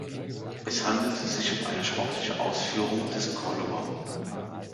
Es handelte sich um eine sportliche Ausführung des Cordoba.